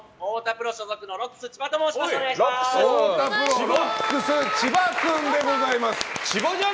ロックス、千葉君でございます。